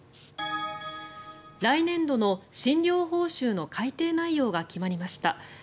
来年度の診療報酬の改定内容が決まりました。